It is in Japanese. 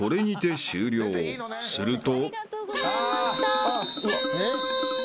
［すると］